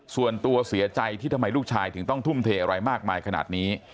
ส่วนตัวเสียใจที่ทำไมลูกชายถึงต้องทุ่มเทอะไรมากมายขนาดนี้